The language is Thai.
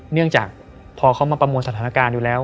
เนื่องจากพอเขามาประมวลสถานการณ์อยู่แล้ว